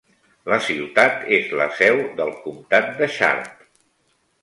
La ciutat és la seu del comtat de Sharp.